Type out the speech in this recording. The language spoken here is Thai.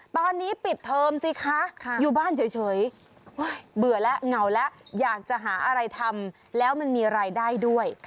ตอนนี้ปิดเทอมสิคะอยู่บ้านเฉยเบื่อแล้วเหงาแล้วอยากจะหาอะไรทำแล้วมันมีรายได้ด้วย